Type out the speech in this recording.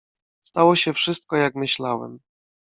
"Stało się wszystko, jak myślałem."